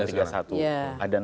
tidak ada sekarang